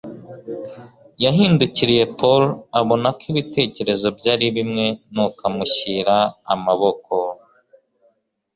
Yahindukiriye Paul, abona ko ibitekerezo bye ari bimwe, nuko amushyira amaboko.